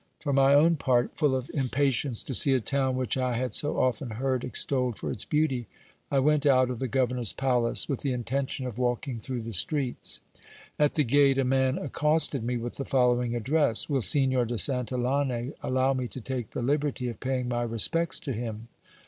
For my own part, full of impatience to see a town which I had so often heard extolled for its beauty, I went out of the governor's palace with the intention of walking through the streets. At the gate a man accosted me with the following address : Will Signor de Santillane allow me to take the liberty of paying my respects to him